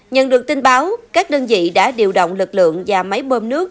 nhận được tin báo các đơn vị đã điều động lực lượng và máy bơm nước